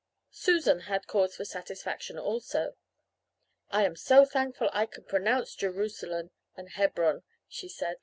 "Susan had cause for satisfaction also. "'I am so thankful I can pronounce Jerusalem and Hebron,' she said.